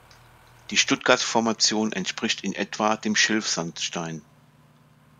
Die Stuttgart-Formation entspricht in etwa dem „Schilfsandstein“.